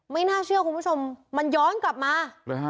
ไม่น่าเชื่อคุณผู้ชมมันย้อนกลับมาเลยฮะ